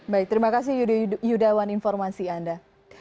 baik terima kasih yudawan informasi anda